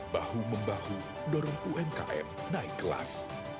bahu membahu dorong umkm naik kelas